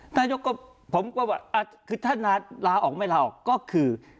นายกก็ผมก็ว่าคือท่านลาออกไม่ลาออกก็คือ